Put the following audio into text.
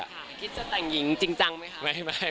ซ้ายคิดจะแต่งหญิงจริงไหมคะ